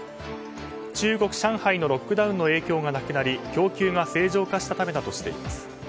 中国・上海のロックダウンの影響がなくなり供給が正常化したためだとしています。